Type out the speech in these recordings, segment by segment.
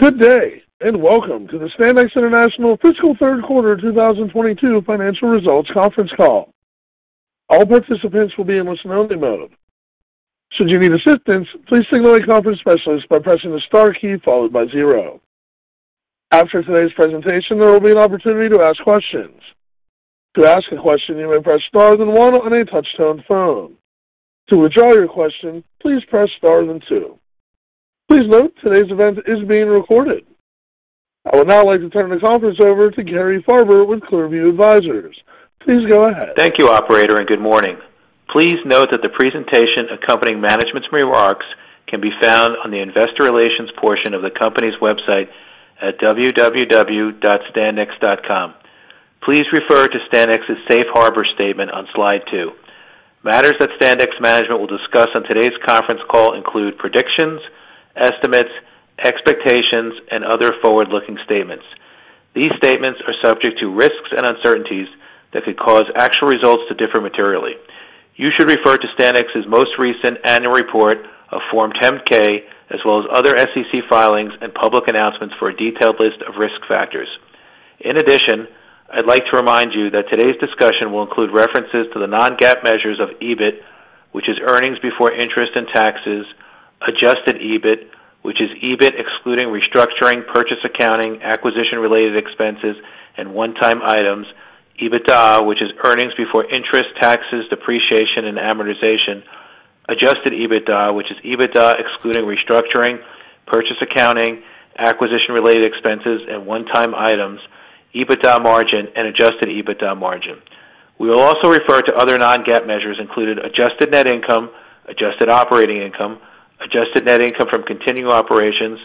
Good day, and welcome to the Standex International Fiscal Third Quarter 2022 financial results conference call. All participants will be in listen-only mode. Should you need assistance, please signal a conference specialist by pressing the star key followed by zero. After today's presentation, there will be an opportunity to ask questions. To ask a question, you may press star then one on any touch-tone phone. To withdraw your question, please press star then two. Please note today's event is being recorded. I would now like to turn the conference over to Gary Farber with ClearView Advisors. Please go ahead. Thank you, operator, and good morning. Please note that the presentation accompanying management's remarks can be found on the investor relations portion of the company's website at www.standex.com. Please refer to Standex's Safe Harbor statement on slide two. Matters that Standex management will discuss on today's conference call include predictions, estimates, expectations, and other forward-looking statements. These statements are subject to risks and uncertainties that could cause actual results to differ materially. You should refer to Standex's most recent annual report of Form 10-K, as well as other SEC filings and public announcements for a detailed list of risk factors. In addition, I'd like to remind you that today's discussion will include references to the non-GAAP measures of EBIT, which is earnings before interest and taxes. Adjusted EBIT, which is EBIT excluding restructuring, purchase accounting, acquisition-related expenses, and one-time items. EBITDA, which is earnings before interest, taxes, depreciation, and amortization. Adjusted EBITDA, which is EBITDA excluding restructuring, purchase accounting, acquisition-related expenses, and one-time items, EBITDA margin, and adjusted EBITDA margin. We will also refer to other non-GAAP measures, including adjusted net income, adjusted operating income, adjusted net income from continuing operations,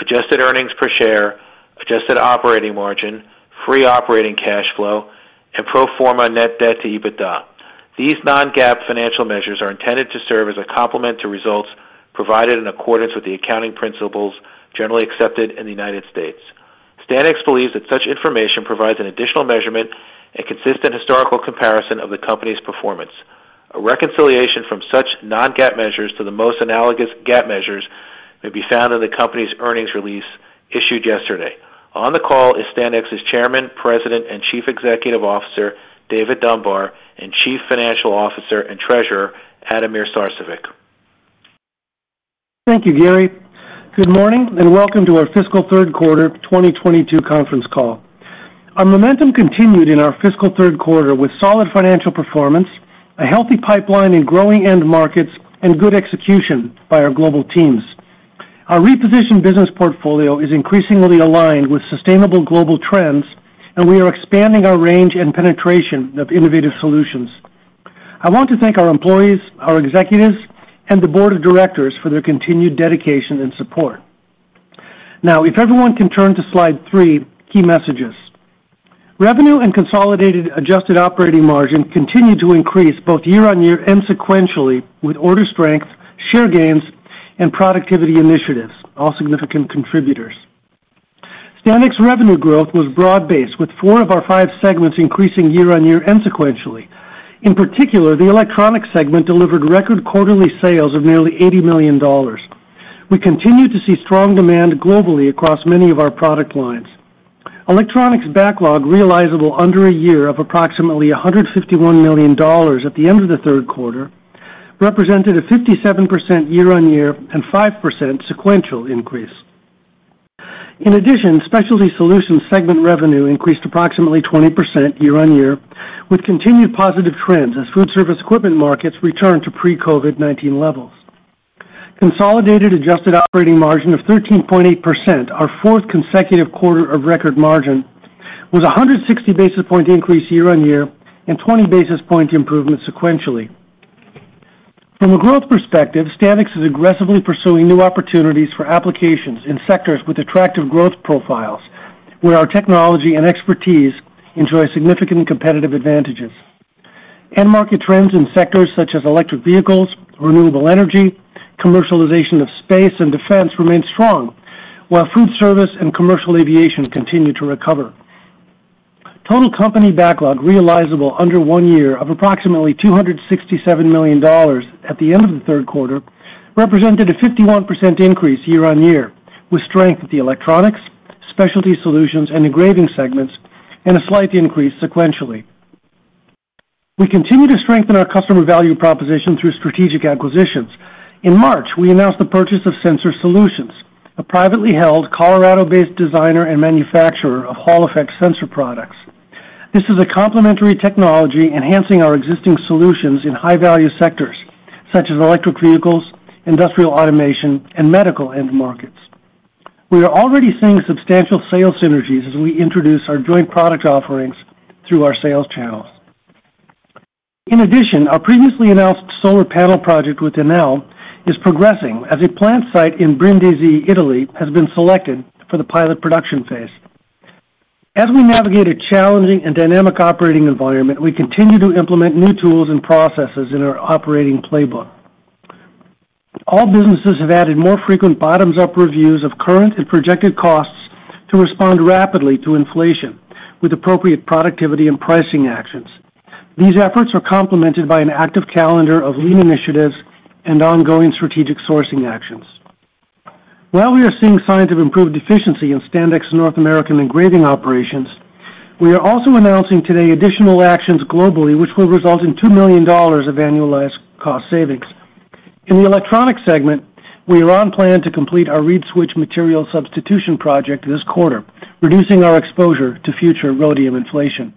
adjusted earnings per share, adjusted operating margin, free operating cash flow, and pro forma net debt to EBITDA. These non-GAAP financial measures are intended to serve as a complement to results provided in accordance with the accounting principles generally accepted in the United States. Standex believes that such information provides an additional measurement and consistent historical comparison of the company's performance. A reconciliation from such non-GAAP measures to the most analogous GAAP measures may be found in the company's earnings release issued yesterday. On the call is Standex's Chairman, President, and Chief Executive Officer, David Dunbar, and Chief Financial Officer and Treasurer, Ademir Sarcevic. Thank you, Gary. Good morning and welcome to our fiscal third quarter 2022 conference call. Our momentum continued in our fiscal third quarter with solid financial performance, a healthy pipeline in growing end markets, and good execution by our global teams. Our repositioned business portfolio is increasingly aligned with sustainable global trends, and we are expanding our range and penetration of innovative solutions. I want to thank our employees, our executives, and the board of directors for their continued dedication and support. Now, if everyone can turn to slide three, key messages. Revenue and consolidated adjusted operating margin continued to increase both year-on-year and sequentially, with order strength, share gains, and productivity initiatives all significant contributors. Standex revenue growth was broad-based, with four of our five segments increasing year-on-year and sequentially. In particular, the electronics segment delivered record quarterly sales of nearly $80 million. We continue to see strong demand globally across many of our product lines. Electronics backlog realizable under a year of approximately $151 million at the end of the third quarter represented a 57% year-on-year and 5% sequential increase. In addition, Specialty Solutions segment revenue increased approximately 20% year-on-year, with continued positive trends as food service equipment markets returned to pre-COVID-19 levels. Consolidated adjusted operating margin of 13.8%, our fourth consecutive quarter of record margin, was a 160 basis points increase year-on-year and 20 basis points improvement sequentially. From a growth perspective, Standex is aggressively pursuing new opportunities for applications in sectors with attractive growth profiles, where our technology and expertise enjoy significant competitive advantages. End market trends in sectors such as electric vehicles, renewable energy, commercialization of space, and defense remain strong, while food service and commercial aviation continue to recover. Total company backlog realizable under one year of approximately $267 million at the end of the third quarter represented a 51% increase year-over-year, with strength at the electronics, specialty solutions, and engraving segments, and a slight increase sequentially. We continue to strengthen our customer value proposition through strategic acquisitions. In March, we announced the purchase of Sensor Solutions, a privately held Colorado-based designer and manufacturer of Hall Effect sensor products. This is a complementary technology enhancing our existing solutions in high-value sectors such as electric vehicles, industrial automation, and medical end markets. We are already seeing substantial sales synergies as we introduce our joint product offerings through our sales channels. In addition, our previously announced solar panel project with Enel is progressing as a plant site in Brindisi, Italy has been selected for the pilot production phase. As we navigate a challenging and dynamic operating environment, we continue to implement new tools and processes in our operating playbook. All businesses have added more frequent bottoms-up reviews of current and projected costs to respond rapidly to inflation with appropriate productivity and pricing actions. These efforts are complemented by an active calendar of lean initiatives and ongoing strategic sourcing actions. While we are seeing signs of improved efficiency in Standex's North American engraving operations, we are also announcing today additional actions globally, which will result in $2 million of annualized cost savings. In the electronics segment, we are on plan to complete our reed switch material substitution project this quarter, reducing our exposure to future rhodium inflation.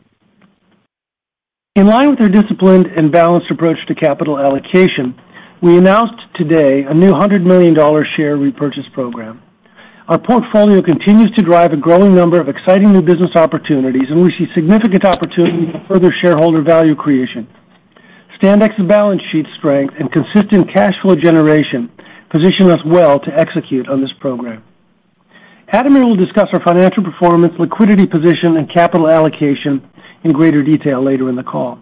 In line with our disciplined and balanced approach to capital allocation, we announced today a new $100 million share repurchase program. Our portfolio continues to drive a growing number of exciting new business opportunities, and we see significant opportunity for further shareholder value creation. Standex's balance sheet strength and consistent cash flow generation position us well to execute on this program. Ademir Sarcevic will discuss our financial performance, liquidity position, and capital allocation in greater detail later in the call.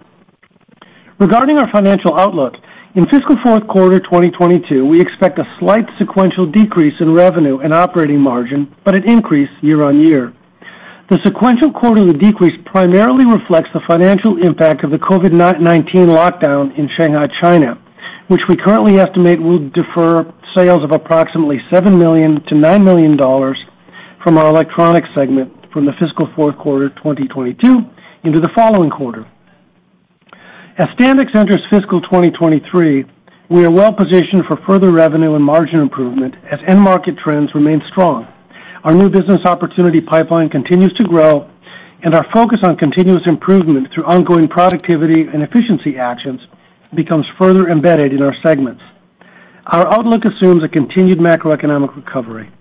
Regarding our financial outlook, in fiscal fourth quarter 2022, we expect a slight sequential decrease in revenue and operating margin, but an increase year-over-year. The sequential quarterly decrease primarily reflects the financial impact of the COVID-19 lockdown in Shanghai, China, which we currently estimate will defer sales of approximately $7 million-$9 million from our electronics segment from the fiscal fourth quarter 2022 into the following quarter. As Standex enters fiscal 2023, we are well positioned for further revenue and margin improvement as end market trends remain strong. Our new business opportunity pipeline continues to grow and our focus on continuous improvement through ongoing productivity and efficiency actions becomes further embedded in our segments. Our outlook assumes a continued macroeconomic recovery.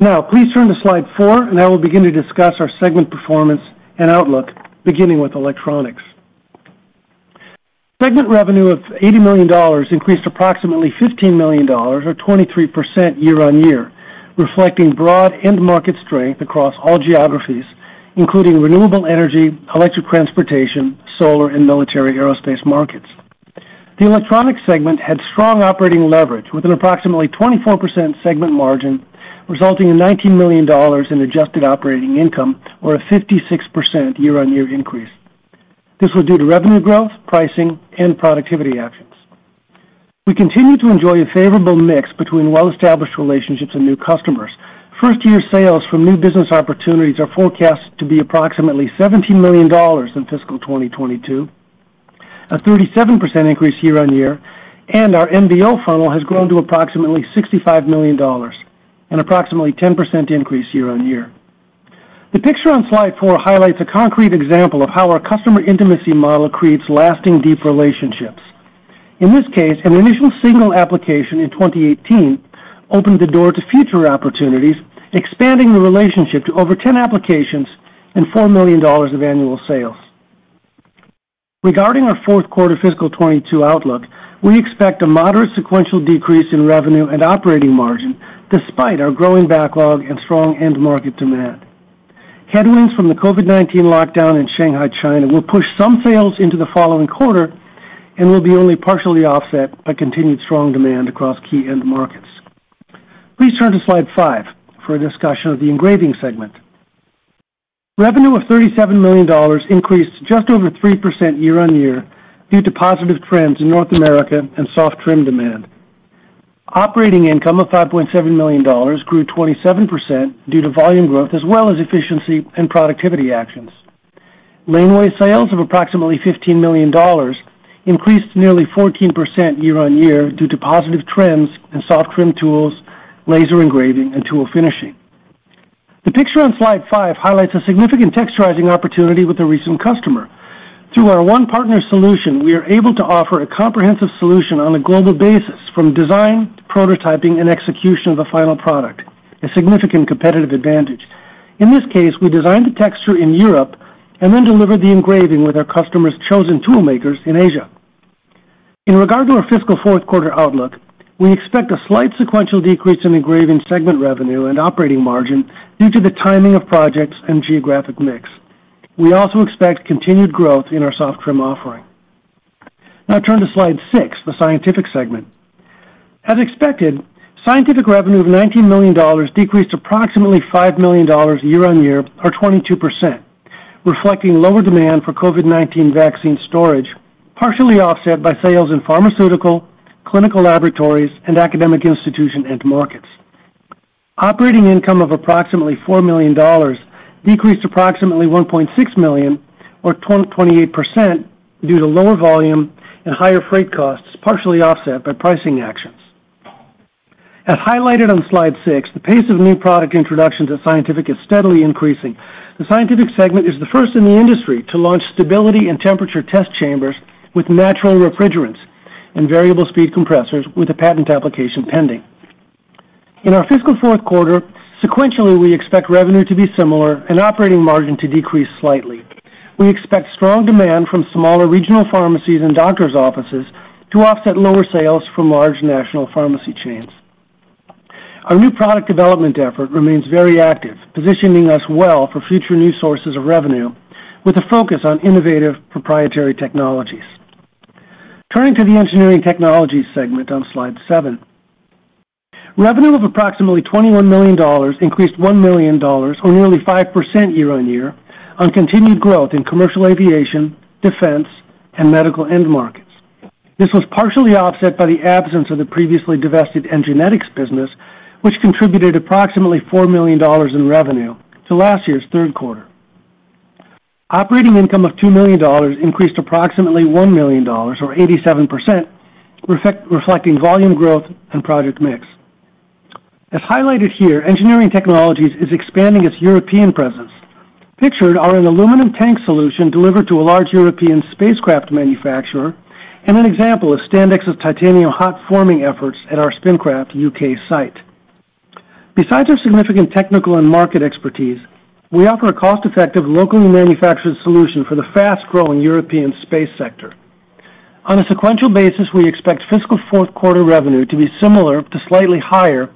Now please turn to slide four, and I will begin to discuss our segment performance and outlook, beginning with electronics. Segment revenue of $80 million increased approximately $15 million or 23% year-on-year, reflecting broad end market strength across all geographies, including renewable energy, electric transportation, solar, and military aerospace markets. The electronics segment had strong operating leverage with an approximately 24% segment margin, resulting in $19 million in adjusted operating income or a 56% year-on-year increase. This was due to revenue growth, pricing, and productivity actions. We continue to enjoy a favorable mix between well-established relationships and new customers. First year sales from new business opportunities are forecast to be approximately $17 million in fiscal 2022, a 37% increase year-over-year. Our NBO funnel has grown to approximately $65 million, an approximately 10% increase year-over-year. The picture on slide four highlights a concrete example of how our customer intimacy model creates lasting, deep relationships. In this case, an initial single application in 2018 opened the door to future opportunities, expanding the relationship to over 10 applications and $4 million of annual sales. Regarding our fourth quarter fiscal 2022 outlook, we expect a moderate sequential decrease in revenue and operating margin despite our growing backlog and strong end market demand. Headwinds from the COVID-19 lockdown in Shanghai, China, will push some sales into the following quarter and will be only partially offset by continued strong demand across key end markets. Please turn to slide five for a discussion of the engraving segment. Revenue of $37 million increased just over 3% year-on-year due to positive trends in North America and Soft Trim demand. Operating income of $5.7 million grew 27% due to volume growth as well as efficiency and productivity actions. Engraving sales of approximately $15 million increased nearly 14% year-on-year due to positive trends in Soft Trim tools, laser engraving, and tool finishing. The picture on slide five highlights a significant texturizing opportunity with a recent customer. Through our One Partner Solution, we are able to offer a comprehensive solution on a global basis from design, prototyping, and execution of the final product, a significant competitive advantage. In this case, we designed the texture in Europe and then delivered the engraving with our customer's chosen tool makers in Asia. In regard to our fiscal fourth quarter outlook, we expect a slight sequential decrease in engraving segment revenue and operating margin due to the timing of projects and geographic mix. We also expect continued growth in our Soft Trim offering. Now turn to slide six, the scientific segment. As expected, scientific revenue of $19 million decreased approximately $5 million year-on-year, or 22%, reflecting lower demand for COVID-19 vaccine storage, partially offset by sales in pharmaceutical, clinical laboratories, and academic institution end markets. Operating income of approximately $4 million decreased approximately $1.6 million or 28% due to lower volume and higher freight costs, partially offset by pricing actions. As highlighted on slide six, the pace of new product introductions at Scientific is steadily increasing. The Scientific segment is the first in the industry to launch stability and temperature test chambers with natural refrigerants and variable speed compressors with a patent application pending. In our fiscal fourth quarter, sequentially, we expect revenue to be similar and operating margin to decrease slightly. We expect strong demand from smaller regional pharmacies and doctor's offices to offset lower sales from large national pharmacy chains. Our new product development effort remains very active, positioning us well for future new sources of revenue with a focus on innovative proprietary technologies. Turning to the Engineering Technologies segment on slide seven. Revenue of approximately $21 million increased $1 million, or nearly 5% year-on-year, on continued growth in commercial aviation, defense, and medical end markets. This was partially offset by the absence of the previously divested Enginetics business, which contributed approximately $4 million in revenue to last year's third quarter. Operating income of $2 million increased approximately $1 million or 87%, reflecting volume growth and project mix. As highlighted here, Engineering Technologies is expanding its European presence. Pictured are an aluminum tank solution delivered to a large European spacecraft manufacturer and an example of Standex's titanium hot forming efforts at our Spincraft U.K. site. Besides our significant technical and market expertise, we offer a cost-effective, locally manufactured solution for the fast-growing European space sector. On a sequential basis, we expect fiscal fourth quarter revenue to be similar to slightly higher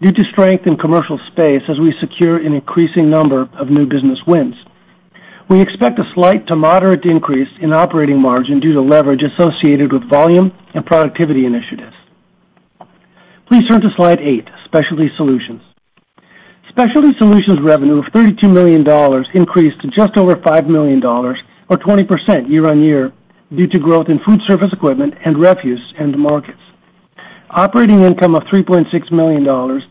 due to strength in commercial space as we secure an increasing number of new business wins. We expect a slight to moderate increase in operating margin due to leverage associated with volume and productivity initiatives. Please turn to slide eight, Specialty Solutions. Specialty Solutions revenue of $32 million increased to just over $5 million or 20% year-over-year due to growth in food service equipment and refuse end markets. Operating income of $3.6 million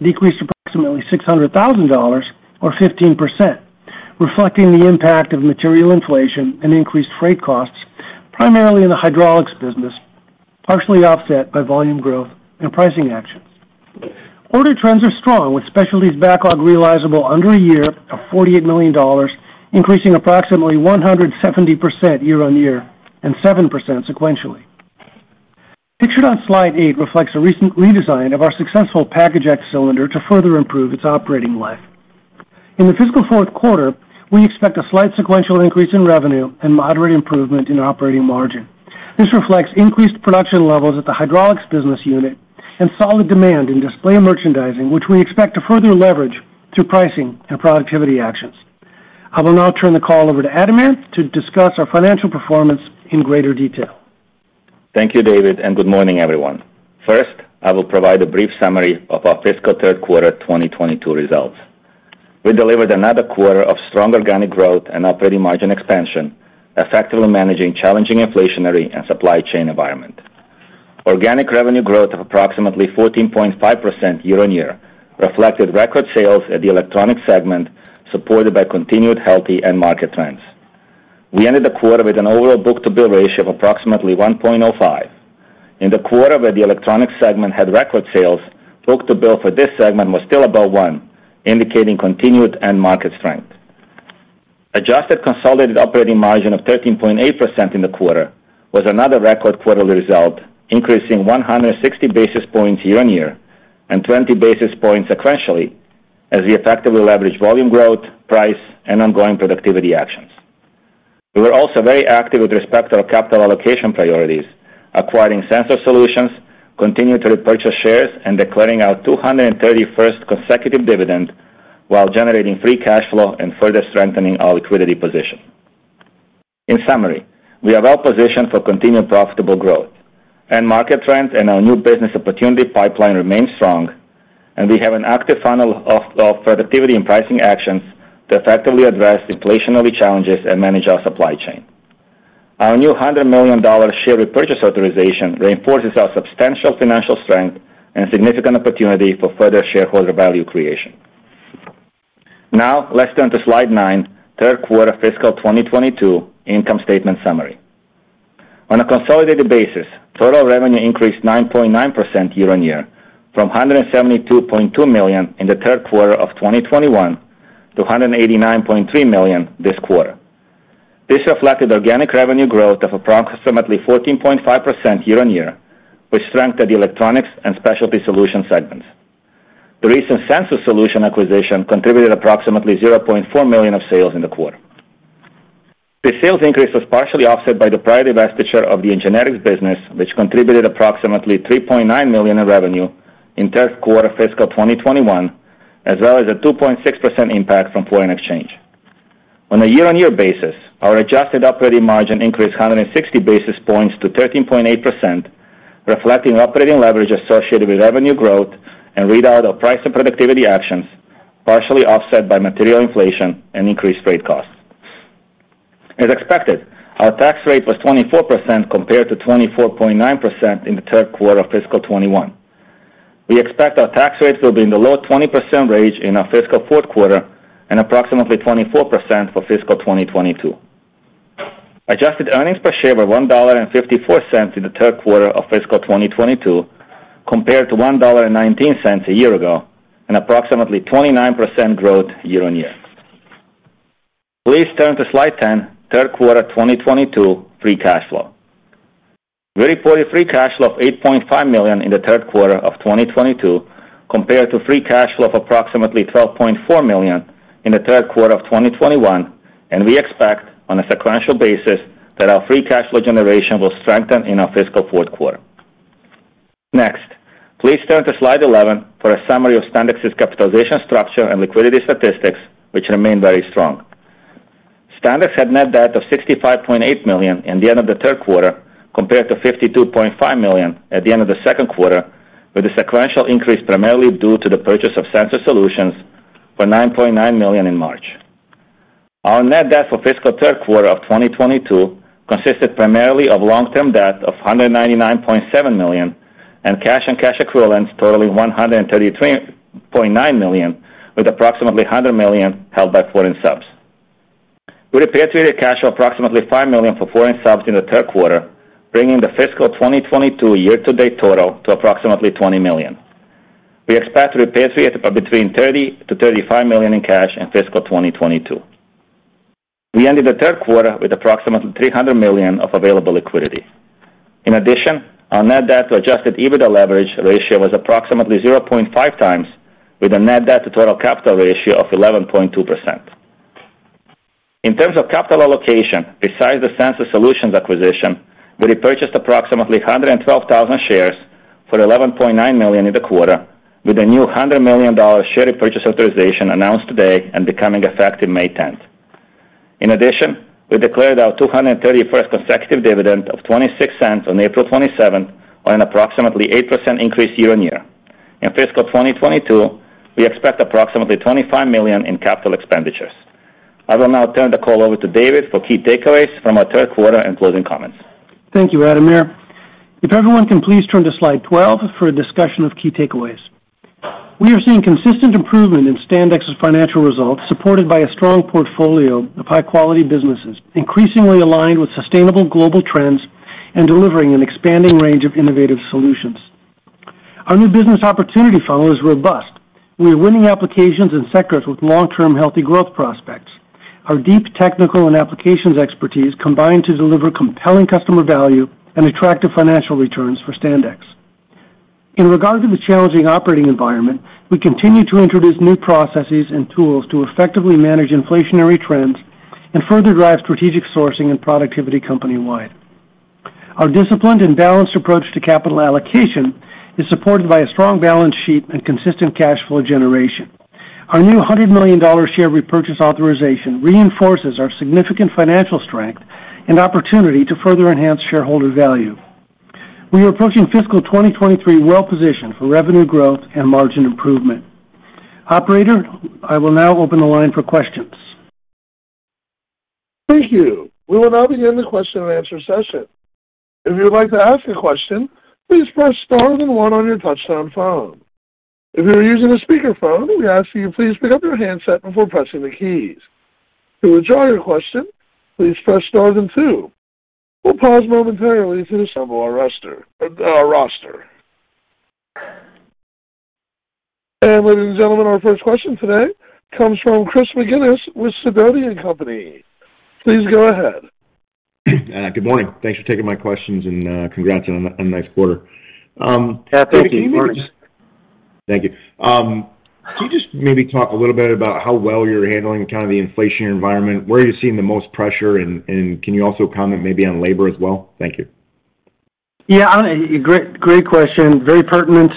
decreased approximately $600,000 or 15%, reflecting the impact of material inflation and increased freight costs, primarily in the hydraulics business, partially offset by volume growth and pricing actions. Order trends are strong, with Specialties backlog realizable under a year of $48 million, increasing approximately 170% year-on-year and 7% sequentially. Pictured on slide eight reflects a recent redesign of our successful PackageX cylinder to further improve its operating life. In the fiscal fourth quarter, we expect a slight sequential increase in revenue and moderate improvement in operating margin. This reflects increased production levels at the hydraulics business unit and solid demand in display merchandising, which we expect to further leverage through pricing and productivity actions. I will now turn the call over to Ademir Sarcevic to discuss our financial performance in greater detail. Thank you, David, and good morning, everyone. First, I will provide a brief summary of our fiscal third quarter 2022 results. We delivered another quarter of strong organic growth and operating margin expansion, effectively managing challenging inflationary and supply chain environment. Organic revenue growth of approximately 14.5% year-on-year reflected record sales at the Electronic segment, supported by continued healthy end market trends. We ended the quarter with an overall book-to-bill ratio of approximately 1.05. In the quarter where the Electronic segment had record sales, book-to-bill for this segment was still above one, indicating continued end market strength. Adjusted consolidated operating margin of 13.8% in the quarter was another record quarterly result, increasing 160 basis points year-on-year and 20 basis points sequentially as we effectively leveraged volume growth, price, and ongoing productivity actions. We were also very active with respect to our capital allocation priorities, acquiring Sensor Solutions, continuing to repurchase shares, and declaring our 231st consecutive dividend while generating free cash flow and further strengthening our liquidity position. In summary, we are well positioned for continued profitable growth. End market trends and our new business opportunity pipeline remain strong, and we have an active funnel of productivity and pricing actions to effectively address inflationary challenges and manage our supply chain. Our new $100 million share repurchase authorization reinforces our substantial financial strength and significant opportunity for further shareholder value creation. Now let's turn to slide nine, third quarter fiscal 2022 income statement summary. On a consolidated basis, total revenue increased 9.9% year-on-year from $172.2 million in the third quarter of 2021 to $189.3 million this quarter. This reflected organic revenue growth of approximately 14.5% year-on-year, with strength at the Electronics and Specialty Solutions segments. The recent Sensor Solutions acquisition contributed approximately $0.4 million of sales in the quarter. The sales increase was partially offset by the prior divestiture of the Enginetics business, which contributed approximately $3.9 million in revenue in third quarter fiscal 2021, as well as a 2.6% impact from foreign exchange. On a year-on-year basis, our adjusted operating margin increased 160 basis points to 13.8%, reflecting operating leverage associated with revenue growth and readout of price and productivity actions, partially offset by material inflation and increased freight costs. As expected, our tax rate was 24% compared to 24.9% in the third quarter of fiscal 2021. We expect our tax rates will be in the low 20% range in our fiscal fourth quarter and approximately 24% for fiscal 2022. Adjusted earnings per share were $1.54 in the third quarter of fiscal 2022, compared to $1.19 a year ago, an approximately 29% growth year-on-year. Please turn to slide 10, third quarter 2022 free cash flow. We reported free cash flow of $8.5 million in the third quarter of 2022, compared to free cash flow of approximately $12.4 million in the third quarter of 2021. We expect, on a sequential basis, that our free cash flow generation will strengthen in our fiscal fourth quarter. Next, please turn to slide 11 for a summary of Standex's capitalization structure and liquidity statistics, which remain very strong. Standex had net debt of $65.8 million at the end of the third quarter compared to $52.5 million at the end of the second quarter, with a sequential increase primarily due to the purchase of Sensor Solutions for $9.9 million in March. Our net debt for fiscal third quarter of 2022 consisted primarily of long-term debt of $199.7 million, and cash and cash equivalents totaling $132.9 million, with approximately $100 million held by foreign subs. We repatriated cash of approximately $5 million from foreign subs in the third quarter, bringing the fiscal 2022 year-to-date total to approximately $20 million. We expect to repay between $30 million-$35 million in cash in fiscal 2022. We ended the third quarter with approximately $300 million of available liquidity. In addition, our net debt to adjusted EBITDA leverage ratio was approximately 0.5x, with a net debt to total capital ratio of 11.2%. In terms of capital allocation, besides the Sensor Solutions acquisition, we repurchased approximately 112,000 shares for $11.9 million in the quarter, with a new $100 million share repurchase authorization announced today and becoming effective May 10. In addition, we declared our 231st consecutive dividend of $0.26 on April 27, on an approximately 8% increase year-on-year. In fiscal 2022, we expect approximately $25 million in capital expenditures. I will now turn the call over to David for key takeaways from our third quarter and closing comments. Thank you, Ademir. If everyone can please turn to slide 12 for a discussion of key takeaways. We are seeing consistent improvement in Standex's financial results, supported by a strong portfolio of high-quality businesses, increasingly aligned with sustainable global trends and delivering an expanding range of innovative solutions. Our new business opportunity funnel is robust. We are winning applications in sectors with long-term healthy growth prospects. Our deep technical and applications expertise combine to deliver compelling customer value and attractive financial returns for Standex. In regard to the challenging operating environment, we continue to introduce new processes and tools to effectively manage inflationary trends and further drive strategic sourcing and productivity company-wide. Our disciplined and balanced approach to capital allocation is supported by a strong balance sheet and consistent cash flow generation. Our new $100 million share repurchase authorization reinforces our significant financial strength and opportunity to further enhance shareholder value. We are approaching fiscal 2023 well positioned for revenue growth and margin improvement. Operator, I will now open the line for questions. Thank you. We will now begin the question and answer session. If you would like to ask a question, please press star then one on your touchtone phone. If you are using a speaker phone, we ask that you please pick up your handset before pressing the keys. To withdraw your question, please press star then two. We'll pause momentarily to assemble our roster. Ladies and gentlemen, our first question today comes from Chris McGinnis with Sidoti & Company. Please go ahead. Good morning. Thanks for taking my questions and, congrats on a nice quarter. Yeah, thank you. Thank you. Can you just maybe talk a little bit about how well you're handling kind of the inflationary environment, where are you seeing the most pressure, and can you also comment maybe on labor as well? Thank you. Yeah, great question. Very pertinent.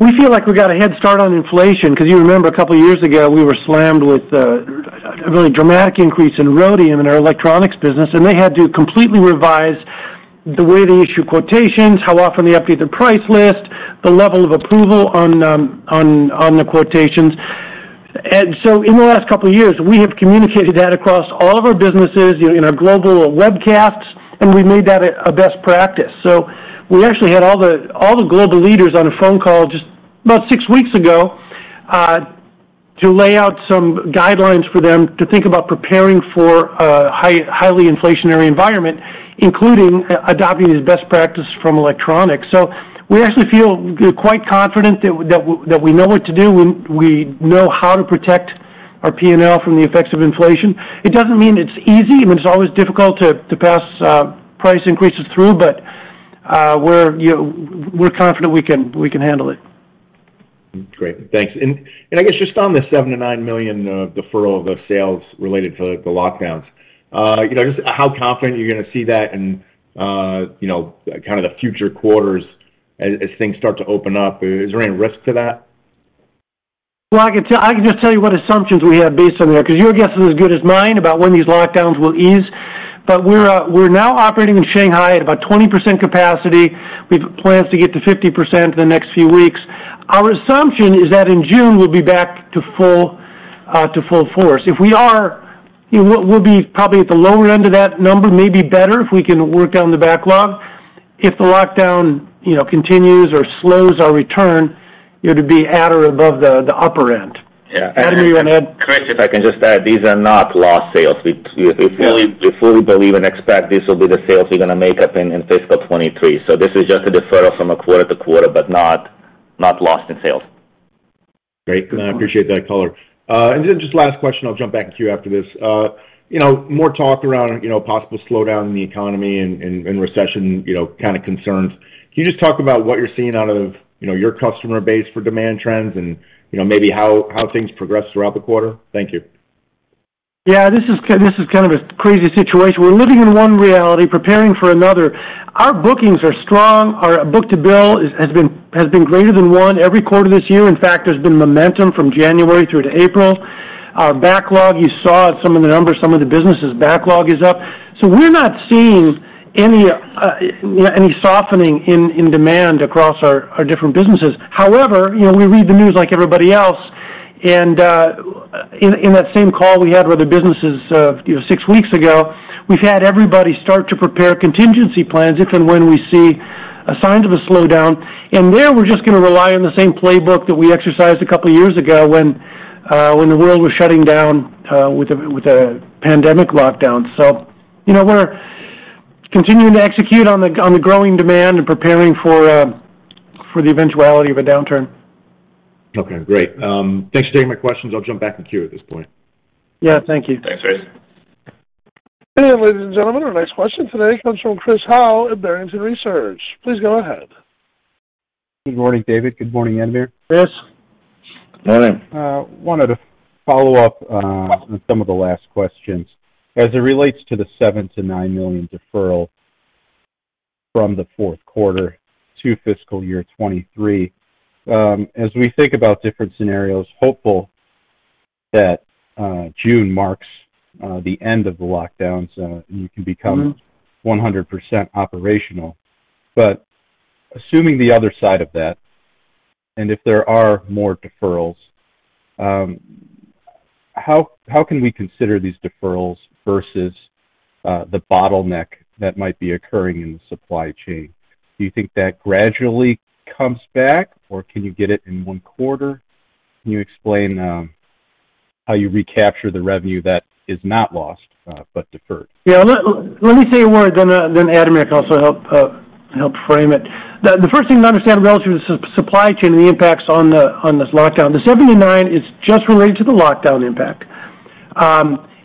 We feel like we got a head start on inflation because you remember a couple of years ago, we were slammed with a really dramatic increase in rhodium in our electronics business, and they had to completely revise the way they issue quotations, how often they update their price list, the level of approval on the quotations. In the last couple of years, we have communicated that across all of our businesses in our global webcasts, and we made that a best practice. We actually had all the global leaders on a phone call just about six weeks ago to lay out some guidelines for them to think about preparing for a highly inflationary environment, including adopting these best practices from electronics. We actually feel quite confident that we know what to do, we know how to protect our P&L from the effects of inflation. It doesn't mean it's easy, I mean, it's always difficult to pass price increases through, but we're, you know, we're confident we can handle it. Great. Thanks. I guess just on the $7 million-$9 million deferral of sales related to the lockdowns, you know, just how confident are you gonna see that in, you know, kind of the future quarters as things start to open up? Is there any risk to that? Well, I can just tell you what assumptions we have based on there, because your guess is as good as mine about when these lockdowns will ease. We're now operating in Shanghai at about 20% capacity. We have plans to get to 50% in the next few weeks. Our assumption is that in June, we'll be back to full force. If we are, you know, we'll be probably at the lower end of that number, maybe better if we can work down the backlog. If the lockdown, you know, continues or slows our return, it would be at or above the upper end. Yeah. Ademir, you want to add? Chris, if I can just add, these are not lost sales. We fully believe and expect these will be the sales we're gonna make up in fiscal 2023. This is just a deferral from a quarter to quarter, but not lost in sales. Great. I appreciate that color. Just last question, I'll jump back to you after this. You know, more talk around, you know, possible slowdown in the economy and recession, you know, kind of concerns. Can you just talk about what you're seeing out of, you know, your customer base for demand trends and, you know, maybe how things progressed throughout the quarter? Thank you. Yeah, this is kind of a crazy situation. We're living in one reality, preparing for another. Our bookings are strong. Our book-to-bill is, has been greater than one every quarter this year. In fact, there's been momentum from January through to April. Our backlog, you saw some of the numbers, some of the businesses backlog is up. We're not seeing any softening in demand across our different businesses. However, you know, we read the news like everybody else, and in that same call we had with other businesses, you know, six weeks ago, we've had everybody start to prepare contingency plans if and when we see signs of a slowdown. There we're just gonna rely on the same playbook that we exercised a couple of years ago when the world was shutting down with a pandemic lockdown. You know, we're continuing to execute on the growing demand and preparing for the eventuality of a downturn. Okay, great. Thanks for taking my questions. I'll jump back in the queue at this point. Yeah, thank you. Thanks, Dave. Ladies and gentlemen, our next question today comes from Chris Howe at Barrington Research. Please go ahead. Good morning, David. Good morning, Ademir. Chris. Morning. Wanted to follow up on some of the last questions. As it relates to the $7 million-$9 million deferral from the fourth quarter to fiscal year 2023. As we think about different scenarios, hopeful that June marks the end of the lockdowns and you can become 100% operational. Assuming the other side of that, and if there are more deferrals, how can we consider these deferrals versus the bottleneck that might be occurring in the supply chain? Do you think that gradually comes back, or can you get it in one quarter? Can you explain how you recapture the revenue that is not lost but deferred? Yeah. Let me say a word, then Ademir can also help frame it. The first thing to understand relative to supply chain and the impacts on this lockdown, the 79 is just related to the lockdown impact.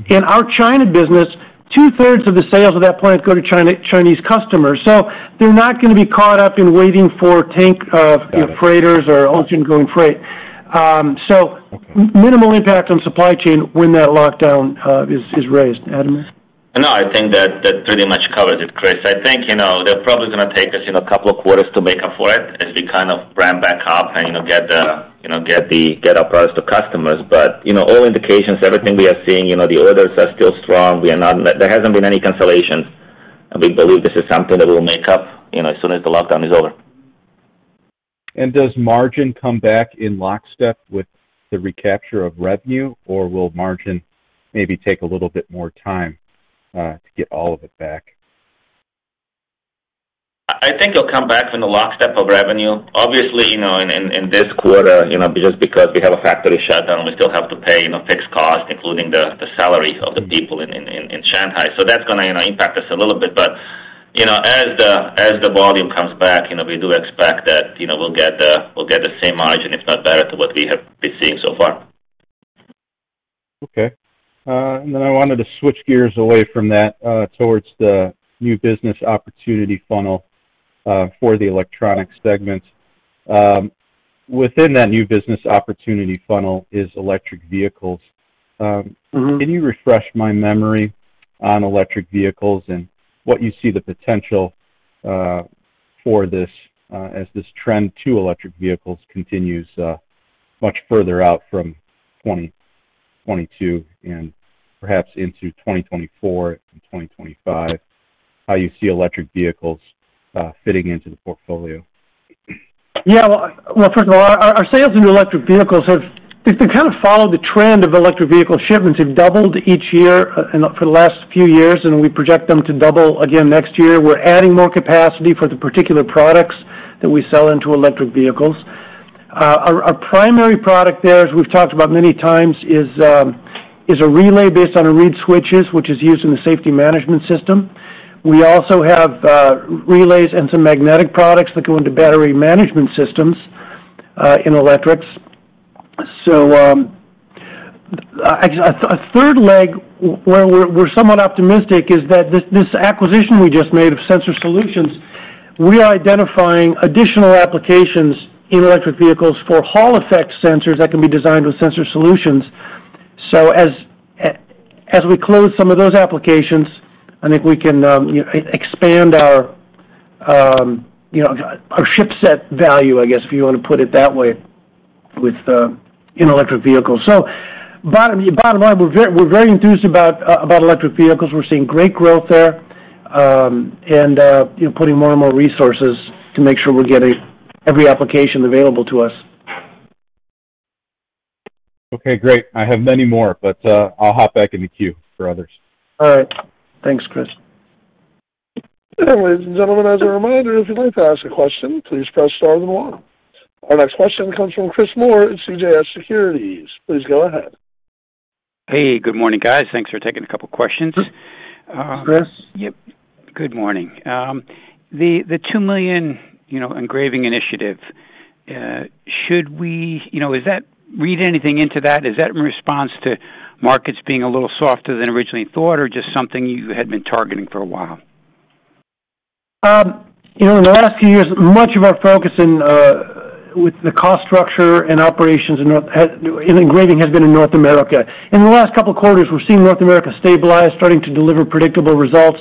In our China business, two-thirds of the sales of that plant go to Chinese customers, so they're not gonna be caught up in waiting for a tanker or freighters or ocean-going freight. Minimal impact on supply chain when that lockdown is raised. Ademir? No, I think that pretty much covers it, Chris. I think, you know, they're probably gonna take us in a couple of quarters to make up for it as we kind of ramp back up and, you know, get our products to customers. You know, all indications, everything we are seeing, you know, the orders are still strong. There hasn't been any cancellations. We believe this is something that we'll make up, you know, as soon as the lockdown is over. Does margin come back in lockstep with the recapture of revenue, or will margin maybe take a little bit more time to get all of it back? I think it'll come back from the lockstep of revenue. Obviously, you know, in this quarter, you know, just because we have a factory shutdown, we still have to pay, you know, fixed costs, including the salaries of the people in Shanghai. That's gonna, you know, impact us a little bit. You know, as the volume comes back, you know, we do expect that, you know, we'll get the same margin, if not better, to what we have been seeing so far. Okay. I wanted to switch gears away from that, towards the new business opportunity funnel for the Electronics segment. Within that new business opportunity funnel is electric vehicles. Can you refresh my memory on electric vehicles and what you see the potential for this as this trend to electric vehicles continues much further out from 2022 and perhaps into 2024 and 2025, how you see electric vehicles fitting into the portfolio? Yeah. Well, first of all, our sales into electric vehicles have—they've been kind of followed the trend of electric vehicle shipments have doubled each year, and for the last few years, and we project them to double again next year. We're adding more capacity for the particular products that we sell into electric vehicles. Our primary product there, as we've talked about many times, is a relay based on reed switches, which is used in the safety management system. We also have relays and some magnetic products that go into battery management systems in electrics. A third leg where we're somewhat optimistic is that this acquisition we just made of Sensor Solutions, we are identifying additional applications in electric vehicles for Hall Effect sensors that can be designed with Sensor Solutions. As we close some of those applications, I think we can, you know, expand our, you know, our shipset value, I guess, if you wanna put it that way, within electric vehicles. Bottom line, we're very enthused about electric vehicles. We're seeing great growth there, and, you know, putting more and more resources to make sure we're getting every application available to us. Okay, great. I have many more, but, I'll hop back in the queue for others. All right. Thanks, Chris. Ladies and gentlemen, as a reminder, if you'd like to ask a question, please press star then one. Our next question comes from Chris Moore at CJS Securities. Please go ahead. Hey, good morning, guys. Thanks for taking a couple questions. Chris. Yep. Good morning. The $2 million, you know, engraving initiative, should we read anything into that? Is that in response to markets being a little softer than originally thought or just something you had been targeting for a while? You know, in the last few years, much of our focus in with the cost structure and operations in North in engraving has been in North America. In the last couple of quarters, we've seen North America stabilize, starting to deliver predictable results.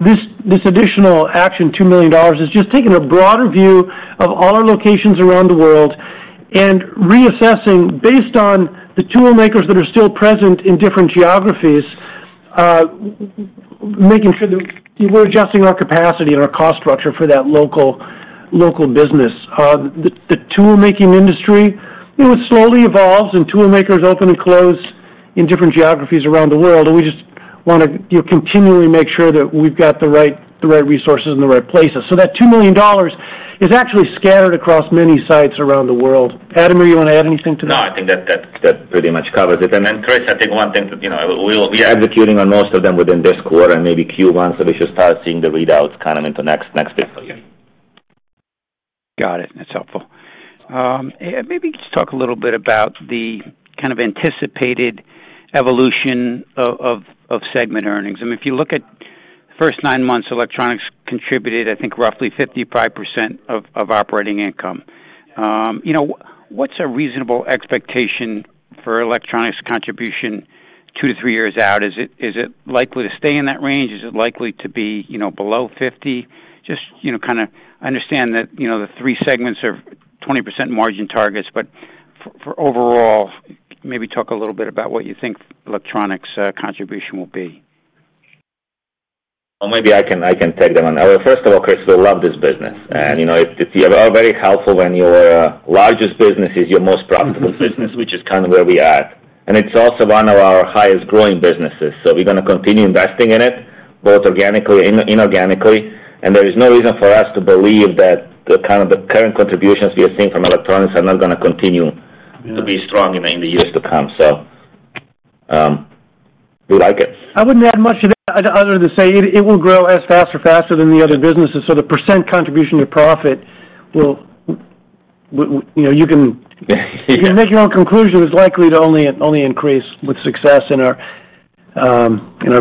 This additional action, $2 million, is just taking a broader view of all our locations around the world and reassessing based on the toolmakers that are still present in different geographies, making sure that we're adjusting our capacity and our cost structure for that local business. The toolmaking industry, you know, it slowly evolves and toolmakers open and close in different geographies around the world, and we just wanna, you know, continually make sure that we've got the right resources in the right places. That $2 million is actually scattered across many sites around the world. Ademir, you wanna add anything to that? No, I think that pretty much covers it. Then, Chris, I think one thing to, you know, we'll be executing on most of them within this quarter and maybe Q1, so we should start seeing the readouts kind of into next fiscal year. Got it. That's helpful. Maybe just talk a little bit about the kind of anticipated evolution of segment earnings. I mean, if you look at first nine months, electronics contributed, I think, roughly 55% of operating income. You know, what's a reasonable expectation for electronics contribution two to three years out? Is it likely to stay in that range? Is it likely to be, you know, below 50%? Just, you know, kinda understand that, you know, the three segments are 20% margin targets, but for overall, maybe talk a little bit about what you think electronics contribution will be. I can take that one. First of all, Chris, we love this business. You know, it's very helpful when your largest business is your most profitable business, which is kind of where we are. It's also one of our highest growing businesses. We're gonna continue investing in it, both organically and inorganically. There is no reason for us to believe that the kind of the current contributions we are seeing from electronics are not gonna continue to be strong in the years to come. We like it. I wouldn't add much to that other than to say it will grow as fast or faster than the other businesses. The percent contribution to profit will, you know, you can make your own conclusion. It's likely to only increase with success in our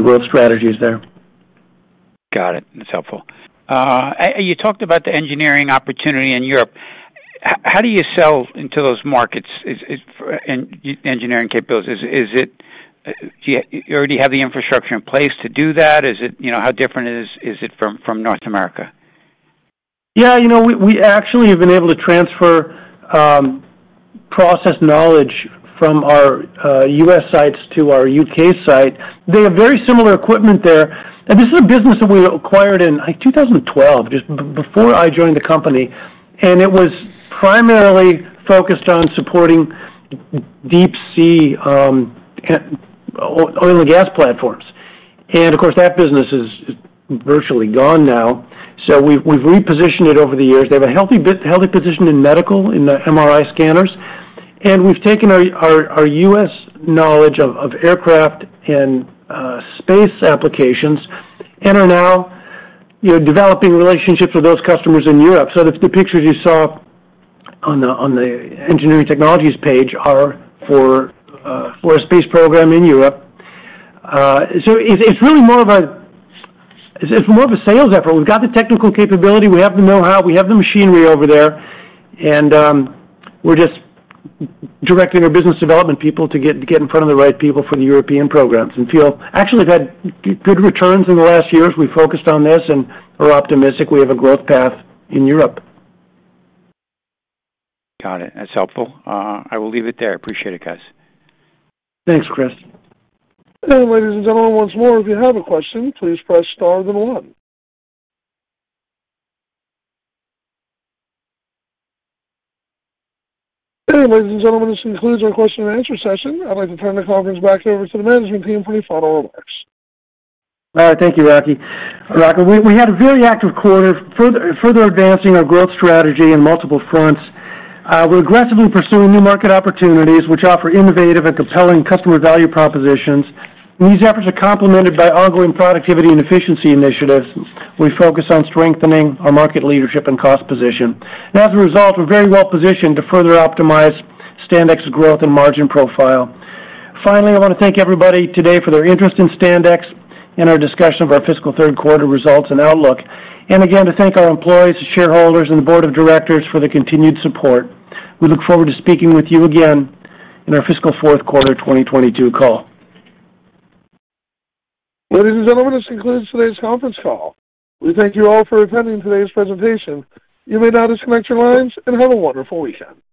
growth strategies there. Got it. That's helpful. You talked about the engineering opportunity in Europe. How do you sell into those markets? Do you already have the infrastructure in place to do that? You know, how different is it from North America? You know, we actually have been able to transfer process knowledge from our U.S. sites to our U.K. site. They have very similar equipment there. This is a business that we acquired in, like, 2012, just before I joined the company, and it was primarily focused on supporting deep sea oil and gas platforms. Of course, that business is virtually gone now. We've repositioned it over the years. They have a healthy position in medical in the MRI scanners, and we've taken our U.S. knowledge of aircraft and space applications and are now, you know, developing relationships with those customers in Europe. The pictures you saw on the engineering technologies page are for a space program in Europe. It's really more of a. It's more of a sales effort. We've got the technical capability, we have the know-how, we have the machinery over there, and we're just directing our business development people to get in front of the right people for the European programs. Feel actually we've had good returns in the last years. We've focused on this, and we're optimistic we have a growth path in Europe. Got it. That's helpful. I will leave it there. Appreciate it, guys. Thanks, Chris. Ladies and gentlemen, once more, if you have a question, please press star then the one. Ladies and gentlemen, this concludes our question and answer session. I'd like to turn the conference back over to the management team for any final remarks. All right. Thank you, Racky. We had a very active quarter further advancing our growth strategy in multiple fronts. We're aggressively pursuing new market opportunities which offer innovative and compelling customer value propositions. These efforts are complemented by ongoing productivity and efficiency initiatives. We focus on strengthening our market leadership and cost position. As a result, we're very well positioned to further optimize Standex growth and margin profile. Finally, I wanna thank everybody today for their interest in Standex and our discussion of our fiscal third quarter results and outlook. Again, to thank our employees, shareholders, and board of directors for their continued support. We look forward to speaking with you again in our fiscal fourth quarter 2022 call. Ladies and gentlemen, this concludes today's conference call. We thank you all for attending today's presentation. You may now disconnect your lines, and have a wonderful weekend.